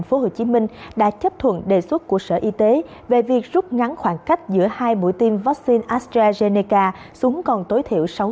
hồ chí minh đã chấp thuận đề xuất của sở y tế về việc rút ngắn khoảng cách giữa hai mũi tiêm vắc xin astrazeneca xuống còn tối thiểu sáu tuần